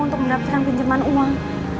untuk mendapatkan pinjaman uang